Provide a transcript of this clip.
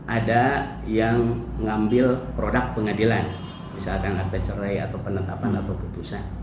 ada yang mengambil produk pengadilan misalnya antrean cerai atau penetapan atau keputusan